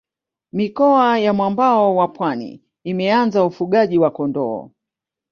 mikoa ya mwambao wa pwani imeanza ufugaji wa kondoo